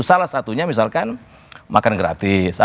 salah satunya misalkan makan gratis